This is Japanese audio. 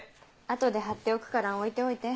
後で張っておくから置いておいて。